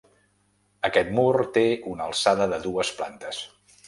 Aquest mur té una alçada de dues plantes.